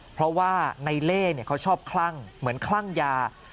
เพราะว่าในเล่เขาชอบคลั่งเหมือนคลั่งยา